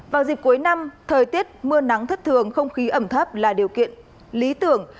vào dịp cuối năm thời tiết mưa nắng thất thường không khí ẩm thấp là điều kiện lý tưởng